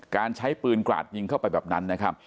การใช้ปืนกราดยิงเข้าไปแบบนั้นนะครับ